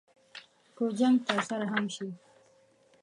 که جنګ ترسره هم شي.